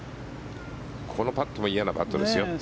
このパットも嫌なパットですよ。